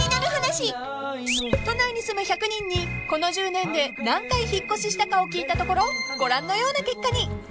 ［都内に住む１００人にこの１０年で何回引っ越ししたかを聞いたところご覧のような結果に］